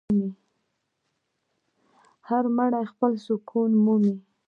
هر مړی خپل سکون مومي.